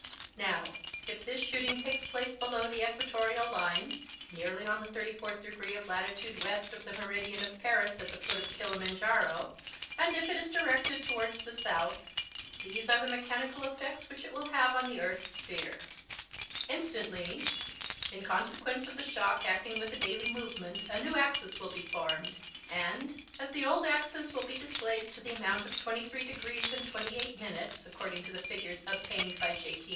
Now, if this shooting takes place below the equatorial line, nearly on the thirty fourth degree of latitude west of the meridian of Paris, at the foot of Kilimanjaro, and if it is directed towards the south, these are the mechanical effects which it will have on the earth's sphere: Instantly, in consequence of the shock acting with the daily movement a new axis will be formed and, as the old axis will be displaced to the amount of twenty three degrees and twenty eight minutes, according to the figures obtained by J.T.